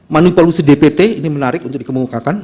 manupalusi dpt ini menarik untuk dikemukakan